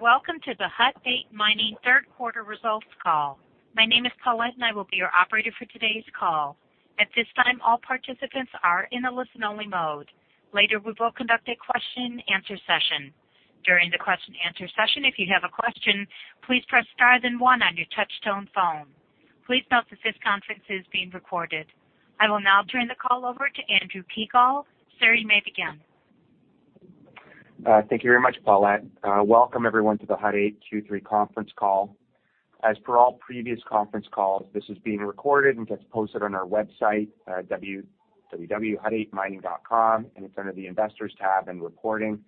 Welcome to the Hut 8 Mining third quarter results call. My name is Paulette and I will be your operator for today's call. At this time, all participants are in a listen-only mode. Later, we will conduct a question and answer session. During the question and answer session, if you have a question, please press star then one on your touch-tone phone. Please note that this conference is being recorded. I will now turn the call over to Andrew Kiguel. Sir, you may begin. Thank you very much, Paulette. Welcome everyone to the Hut 8 Q3 conference call. As per all previous conference calls, this is being recorded and gets posted on our website, hut8mining.com, and it's under the investors tab and reporting.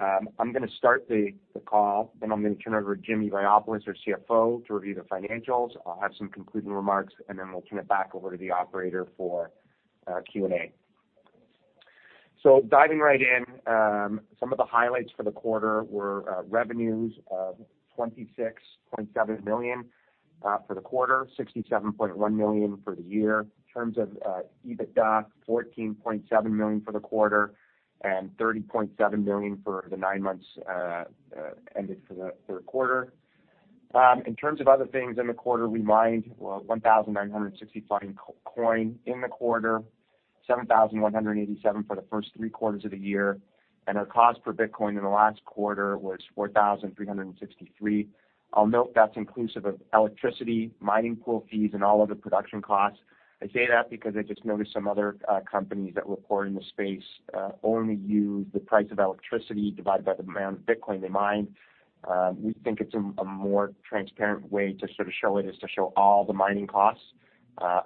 I'm going to start the call, then I'm going to turn it over to Jimmy Vaiopoulos, our CFO, to review the financials. I'll have some concluding remarks, and then we'll turn it back over to the operator for Q&A. Diving right in, some of the highlights for the quarter were revenues of 26.7 million for the quarter, 67.1 million for the year. In terms of EBITDA, 14.7 million for the quarter and 30.7 million for the nine months ended for the third quarter. In terms of other things in the quarter, we mined 1,965 Bitcoin in the quarter, 7,187 for the first 3 quarters of the year, and our cost per Bitcoin in the last quarter was 4,363. I'll note that's inclusive of electricity, mining pool fees, and all other production costs. I say that because I just noticed some other companies that report in the space only use the price of electricity divided by the amount of Bitcoin they mine. We think it's a more transparent way to show it, is to show all the mining costs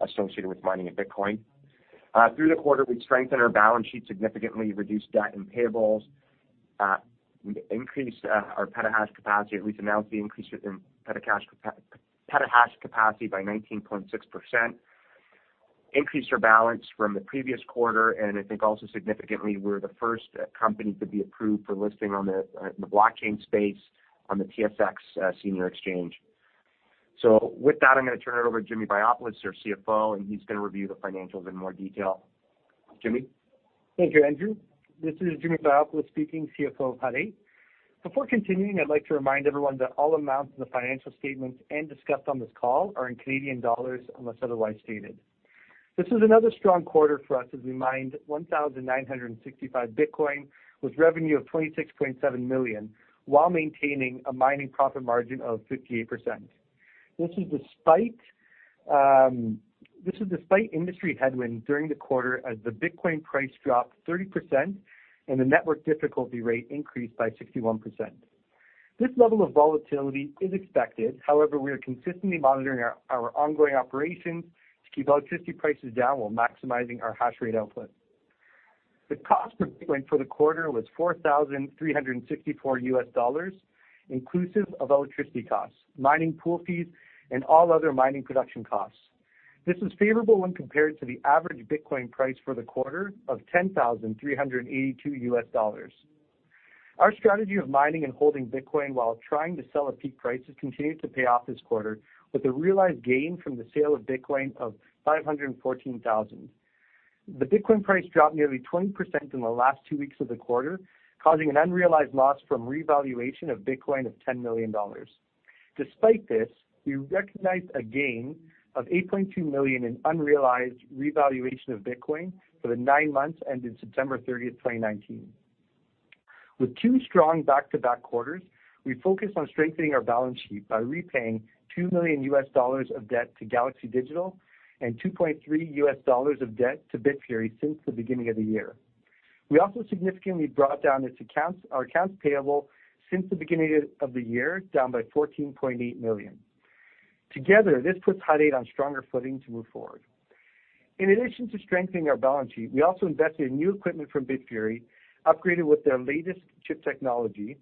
associated with mining a Bitcoin. Through the quarter, we strengthened our balance sheet, significantly reduced debt and payables. We increased our petahash capacity, at least announced the increase in petahash capacity by 19.6%. Increased our balance from the previous quarter, and I think also significantly we're the first company to be approved for listing on the blockchain space on the TSX Senior Exchange. With that, I'm going to turn it over to Jimmy Vaiopoulos, our CFO, and he's going to review the financials in more detail. Jimmy? Thank you, Andrew. This is Jimmy Vaiopoulos speaking, CFO of Hut 8. Before continuing, I'd like to remind everyone that all amounts in the financial statements and discussed on this call are in Canadian dollars unless otherwise stated. This is another strong quarter for us as we mined 1,965 Bitcoin with revenue of 26.7 million while maintaining a mining profit margin of 58%. This is despite industry headwinds during the quarter as the Bitcoin price dropped 30% and the network difficulty rate increased by 61%. This level of volatility is expected. We are consistently monitoring our ongoing operations to keep electricity prices down while maximizing our hash rate output. The cost per Bitcoin for the quarter was CAD 4,364 inclusive of electricity costs, mining pool fees, and all other mining production costs. This is favorable when compared to the average Bitcoin price for the quarter of CAD 10,382. Our strategy of mining and holding Bitcoin while trying to sell at peak prices continued to pay off this quarter with a realized gain from the sale of Bitcoin of 514,000. The Bitcoin price dropped nearly 20% in the last two weeks of the quarter, causing an unrealized loss from revaluation of Bitcoin of 10 million dollars. Despite this, we recognized a gain of 8.2 million in unrealized revaluation of Bitcoin for the nine months ended September 30th, 2019. With two strong back-to-back quarters, we focused on strengthening our balance sheet by repaying CAD 2 million of debt to Galaxy Digital and $2.3 USD of debt to Bitfury since the beginning of the year. We also significantly brought down our accounts payable since the beginning of the year, down by 14.8 million. Together, this puts Hut 8 on stronger footing to move forward. In addition to strengthening our balance sheet, we also invested in new equipment from Bitfury, upgraded with their latest chip technology.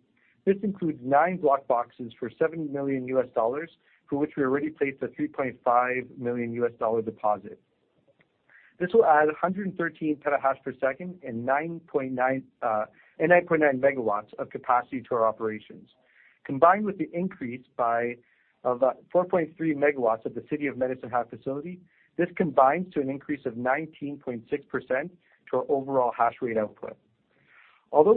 This includes nine BlockBoxes for CAD 7 million, for which we already placed a CAD 3.5 million deposit. This will add 113 terahash per second and 9.9 megawatts of capacity to our operations. Combined with the increase by 4.3 megawatts at the City of Medicine Hat facility, this combines to an increase of 19.6% to our overall hash rate output.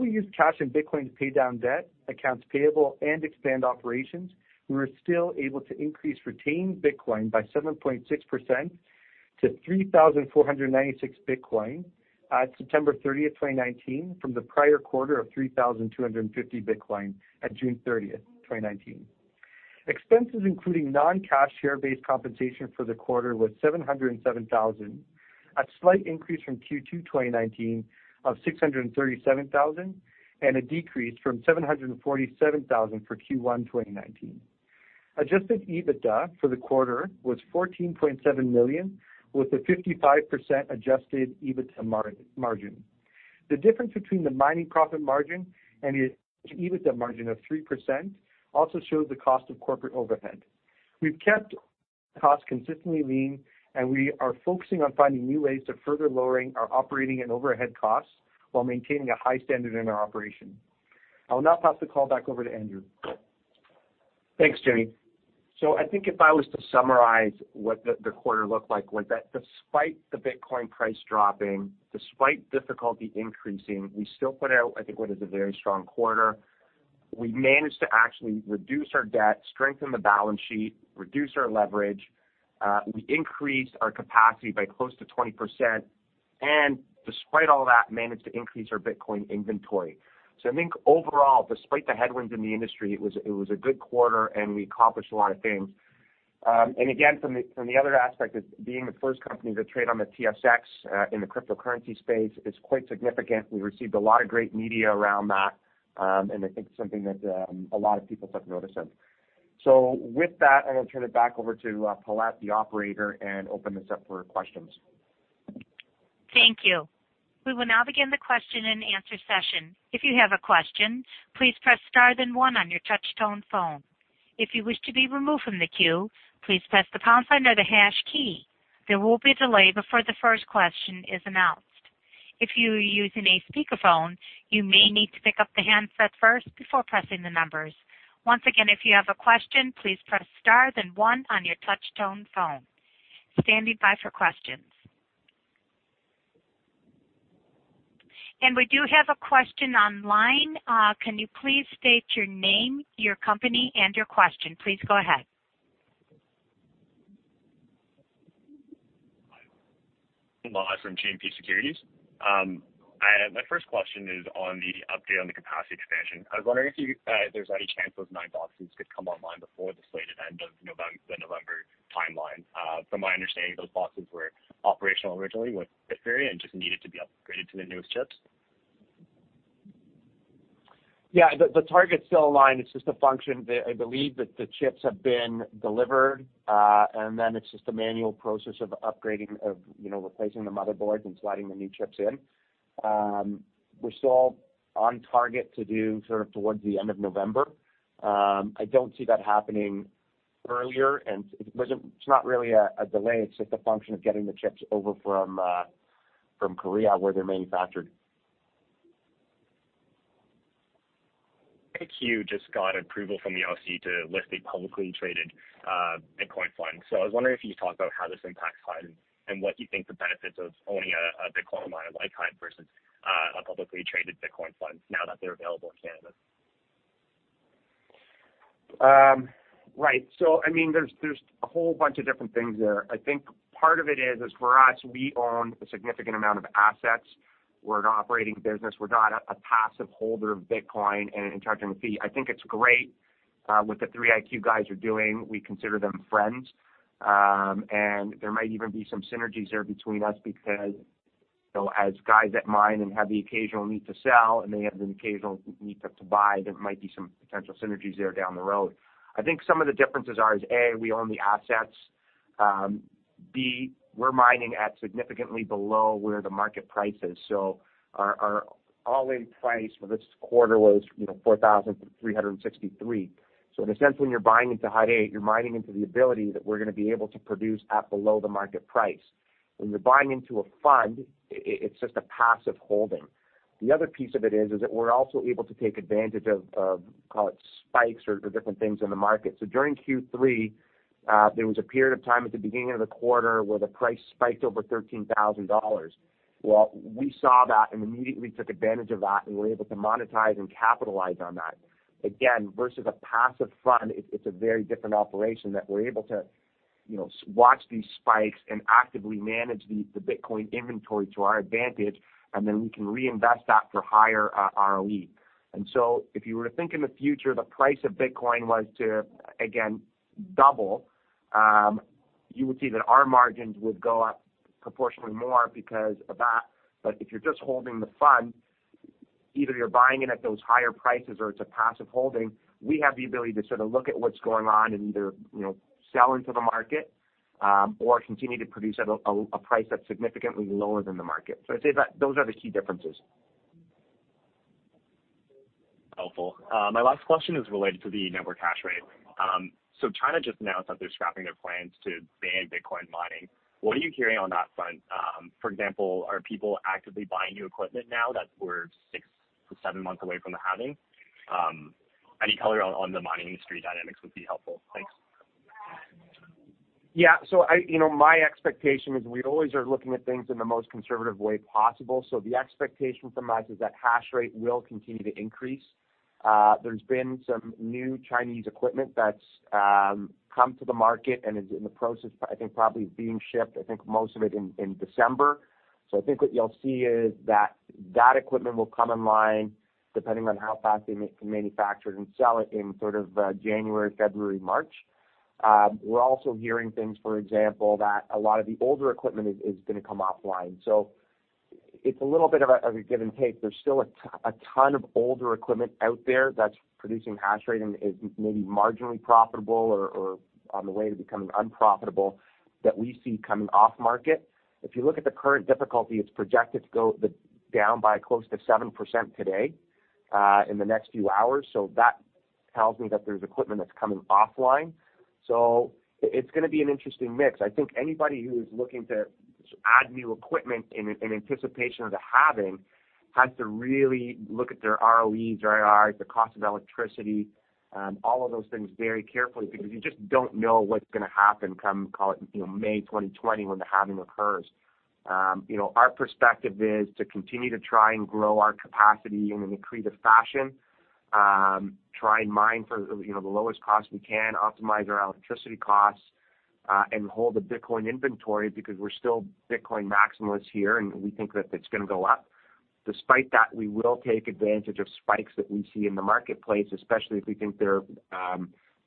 We used cash and Bitcoin to pay down debt, accounts payable, and expand operations, we were still able to increase retained Bitcoin by 7.6% to 3,496 Bitcoin at September 30th, 2019, from the prior quarter of 3,250 Bitcoin at June 30th, 2019. Expenses including non-cash share-based compensation for the quarter was 707,000, a slight increase from Q2 2019 of 637,000 and a decrease from 747,000 for Q1 2019. Adjusted EBITDA for the quarter was 14.7 million, with a 55% adjusted EBITDA margin. The difference between the mining profit margin and the EBITDA margin of 3% also shows the cost of corporate overhead. We've kept costs consistently lean, and we are focusing on finding new ways to further lower our operating and overhead costs while maintaining a high standard in our operation. I will now pass the call back over to Andrew. Thanks, Jimmy. I think if I was to summarize what the quarter looked like, was that despite the Bitcoin price dropping, despite difficulty increasing, we still put out, I think, what is a very strong quarter. We managed to actually reduce our debt, strengthen the balance sheet, reduce our leverage. We increased our capacity by close to 20%, and despite all that, managed to increase our Bitcoin inventory. I think overall, despite the headwinds in the industry, it was a good quarter, and we accomplished a lot of things. Again, from the other aspect of being the first company to trade on the TSX, in the cryptocurrency space is quite significant. We received a lot of great media around that, and I think it's something that a lot of people took notice of. With that, I'm going to turn it back over to Paulette, the operator, and open this up for questions. Thank you. We will now begin the question and answer session. If you have a question, please press star then one on your touch tone phone. If you wish to be removed from the queue, please press the pound sign or the hash key. There will be a delay before the first question is announced. If you are using a speakerphone, you may need to pick up the handset first before pressing the numbers. Once again, if you have a question, please press star then one on your touch tone phone. Standing by for questions. We do have a question online. Can you please state your name, your company, and your question. Please go ahead. Hi. Law from GMP Securities. My first question is on the update on the capacity expansion. I was wondering if there's any chance those nine BlockBoxes could come online before the slated end of the November timeline. From my understanding, those BlockBoxes were operational originally with Bitfury, and just needed to be upgraded to the newest chips. Yeah. The target's still aligned. It's just a function, I believe, that the chips have been delivered, and then it's just a manual process of upgrading, of replacing the motherboards, and sliding the new chips in. We're still on target to do sort of towards the end of November. I don't see that happening earlier, and it's not really a delay, it's just a function of getting the chips over from Korea where they're manufactured. 3iQ just got approval from the OSC to list a publicly traded Bitcoin fund. I was wondering if you could talk about how this impacts HIVE, and what you think the benefits of owning a Bitcoin miner like HIVE versus a publicly traded Bitcoin fund now that they're available in Canada? Right. There's a whole bunch of different things there. I think part of it is, for us, we own a significant amount of assets. We're an operating business. We're not a passive holder of Bitcoin and charging a fee. I think it's great what the 3iQ guys are doing. We consider them friends. There might even be some synergies there between us because as guys that mine and have the occasional need to sell, and they have the occasional need to buy, there might be some potential synergies there down the road. I think some of the differences are, A, we own the assets. B, we're mining at significantly below where the market price is. Our all-in price for this quarter was 4,363. In a sense, when you're buying into HIVE, you're mining into the ability that we're going to be able to produce at below the market price. When you're buying into a fund, it's just a passive holding. The other piece of it is that we're also able to take advantage of, call it spikes or different things in the market. During Q3, there was a period of time at the beginning of the quarter where the price spiked over 13,000 dollars. We saw that and immediately took advantage of that, and were able to monetize and capitalize on that. Versus a passive fund, it's a very different operation that we're able to watch these spikes, and actively manage the Bitcoin inventory to our advantage, and then we can reinvest that for higher ROE. If you were to think in the future, the price of Bitcoin was to, again, double, you would see that our margins would go up proportionately more because of that. If you're just holding the fund, either you're buying it at those higher prices or it's a passive holding. We have the ability to sort of look at what's going on, and either sell into the market, or continue to produce at a price that's significantly lower than the market. I'd say that those are the key differences. Helpful. My last question is related to the network hash rate. China just announced that they're scrapping their plans to ban Bitcoin mining. What are you hearing on that front? For example, are people actively buying new equipment now that we're six to seven months away from the halving? Any color on the mining industry dynamics would be helpful. Thanks. Yeah. My expectation is we always are looking at things in the most conservative way possible. The expectation from us is that hash rate will continue to increase. There's been some new Chinese equipment that's come to the market and is in the process, I think, probably being shipped, I think most of it in December. I think what you'll see is that that equipment will come online depending on how fast they can manufacture it and sell it in sort of January, February, March. We're also hearing things, for example, that a lot of the older equipment is going to come offline. It's a little bit of a give and take. There's still a ton of older equipment out there that's producing hash rate, and is maybe marginally profitable or on the way to becoming unprofitable that we see coming off market. If you look at the current difficulty, it's projected to go down by close to 7% today, in the next few hours. That tells me that there's equipment that's coming offline. It's going to be an interesting mix. I think anybody who is looking to add new equipment in anticipation of the halving has to really look at their ROEs, their IRR, the cost of electricity, all of those things very carefully, because you just don't know what's going to happen come, call it, May 2020 when the halving occurs. Our perspective is to continue to try and grow our capacity in an accretive fashion, try and mine for the lowest cost we can, optimize our electricity costs, and hold the Bitcoin inventory because we're still Bitcoin maximalists here, and we think that it's going to go up. Despite that, we will take advantage of spikes that we see in the marketplace, especially if we think they're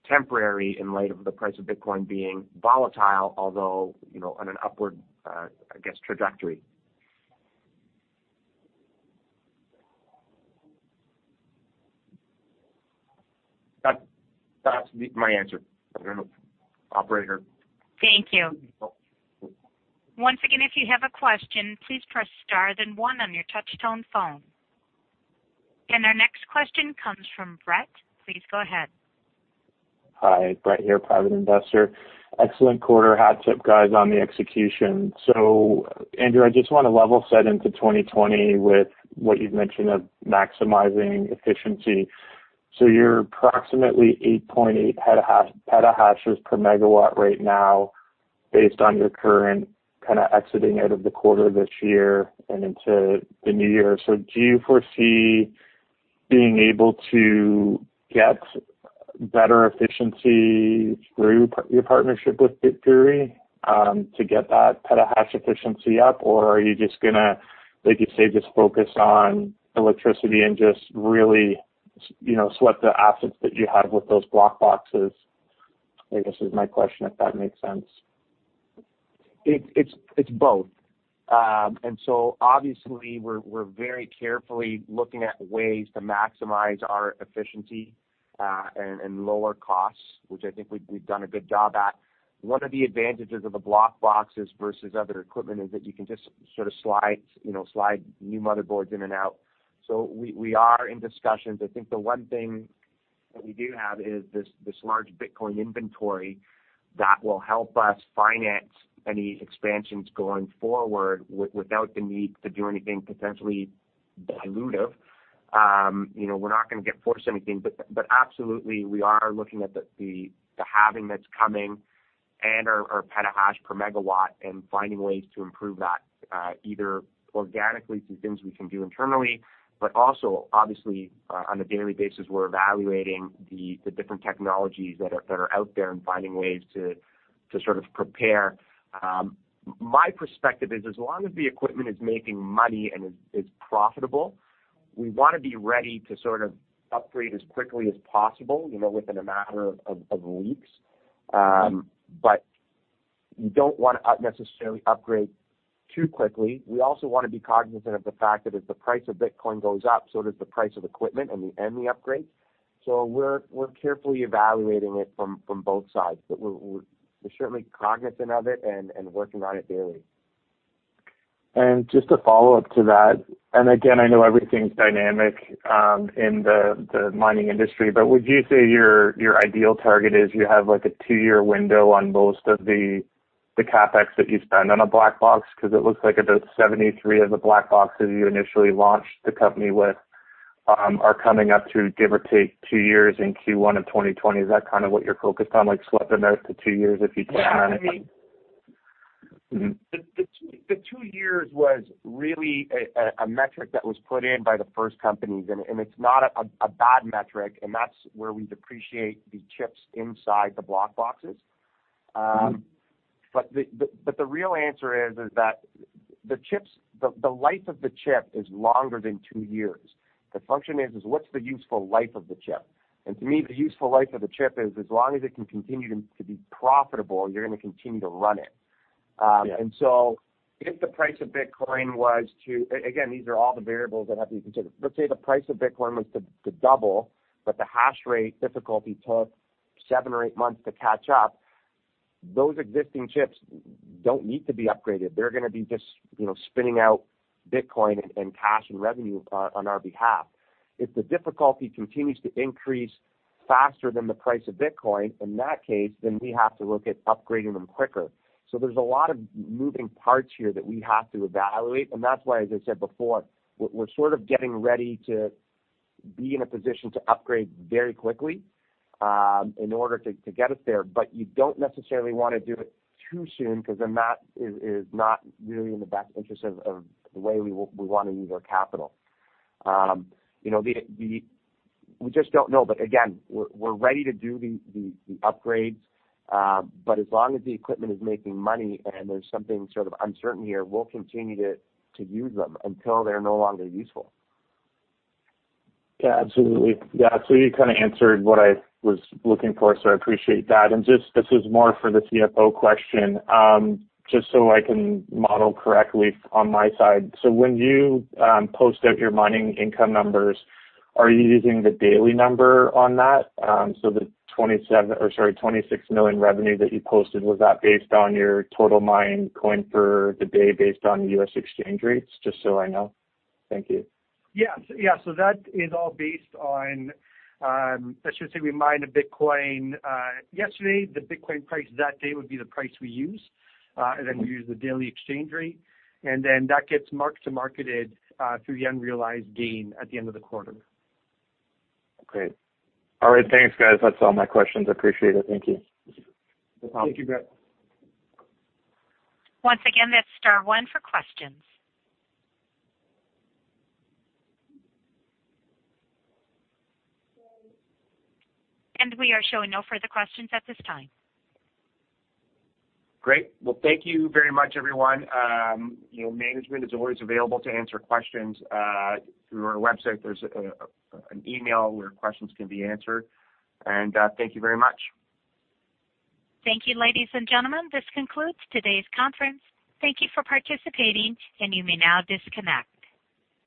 temporary in light of the price of Bitcoin being volatile, although on an upward trajectory. That's my answer. I don't know. Operator. Thank you. No. Once again, if you have a question, please press star then one on your touch tone phone. Our next question comes from Brett. Please go ahead. Hi, Brett here, private investor. Excellent quarter. Hats up, guys, on the execution. Andrew, I just want to level set into 2020 with what you've mentioned of maximizing efficiency. You're approximately 8.8 petahashes per megawatt right now based on your current exiting out of the quarter this year and into the new year. Do you foresee being able to get better efficiency through your partnership with Bitfury to get that petahash efficiency up, or are you just going to, like you say, just focus on electricity and just really sweat the assets that you have with those BlockBoxes? I guess is my question, if that makes sense. It's both. Obviously we're very carefully looking at ways to maximize our efficiency, and lower costs, which I think we've done a good job at. One of the advantages of the BlockBoxes versus other equipment is that you can just sort of slide new motherboards in and out. We are in discussions. I think the one thing that we do have is this large Bitcoin inventory that will help us finance any expansions going forward without the need to do anything potentially dilutive. We're not going to force anything, but absolutely, we are looking at the halving that's coming and our petahash per megawatt and finding ways to improve that, either organically through things we can do internally, but also, obviously, on a daily basis, we're evaluating the different technologies that are out there and finding ways to sort of prepare. My perspective is as long as the equipment is making money and is profitable, we want to be ready to sort of upgrade as quickly as possible, within a matter of weeks. You don't want to necessarily upgrade too quickly. We also want to be cognizant of the fact that if the price of Bitcoin goes up, so does the price of equipment and the upgrades. We're carefully evaluating it from both sides, but we're certainly cognizant of it and working on it daily. Just a follow-up to that, again, I know everything's dynamic in the mining industry, would you say your ideal target is you have a two-year window on most of the CapEx that you spend on a BlockBox? It looks like about 73 of the BlockBoxes you initially launched the company with are coming up to give or take two years in Q1 of 2020. Is that kind of what you're focused on, like sweat the asset to two years if you can run it? Yeah. The two years was really a metric that was put in by the first companies, and it's not a bad metric, and that's where we depreciate the chips inside the BlockBoxes. The real answer is that the life of the chip is longer than two years. The function is what's the useful life of the chip? To me, the useful life of the chip is as long as it can continue to be profitable, you're going to continue to run it. Yeah. If the price of Bitcoin was to, again, these are all the variables that have to be considered. Let's say the price of Bitcoin was to double, the hash rate difficulty took seven or eight months to catch up. Those existing chips don't need to be upgraded. They're going to be just spinning out Bitcoin in cash and revenue on our behalf. If the difficulty continues to increase faster than the price of Bitcoin, in that case, then we have to look at upgrading them quicker. There's a lot of moving parts here that we have to evaluate, and that's why, as I said before, we're sort of getting ready to be in a position to upgrade very quickly, in order to get us there. You don't necessarily want to do it too soon, because then that is not really in the best interest of the way we want to use our capital. We just don't know. Again, we're ready to do the upgrades. As long as the equipment is making money and there's something sort of uncertain here, we'll continue to use them until they're no longer useful. Yeah, absolutely. Yeah, you kind of answered what I was looking for, so I appreciate that. Just, this is more for the CFO question, just so I can model correctly on my side. When you post out your mining income numbers, are you using the daily number on that? The $26 million revenue that you posted, was that based on your total mined coin for the day based on the U.S. exchange rates? Just so I know. Thank you. Yes. That is all based on, let's just say we mined a Bitcoin yesterday. The Bitcoin price that day would be the price we use. Then we use the daily exchange rate, and then that gets mark-to-market through the unrealized gain at the end of the quarter. Great. All right, thanks, guys. That's all my questions. I appreciate it. Thank you. No problem. Thank you, Brett. Once again, that's star one for questions. We are showing no further questions at this time. Great. Well, thank you very much, everyone. Management is always available to answer questions through our website. There's an email where questions can be answered. Thank you very much. Thank you, ladies and gentlemen. This concludes today's conference. Thank you for participating, and you may now disconnect.